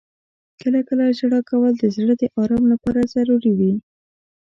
• کله کله ژړا کول د زړه د آرام لپاره ضروري وي.